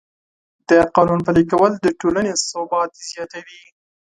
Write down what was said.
د قانون پلي کول د ټولنې ثبات زیاتوي.